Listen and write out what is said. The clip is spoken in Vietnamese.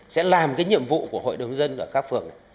sẽ làm cái nhiệm vụ của hội đồng dân ở các phường này